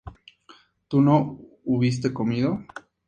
¿tú no hubiste comido?